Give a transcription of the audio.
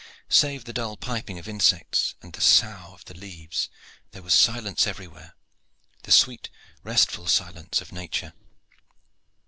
Save the dull piping of insects and the sough of the leaves, there was silence everywhere the sweet restful silence of nature.